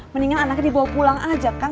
mendingan anaknya dibawa pulang aja kan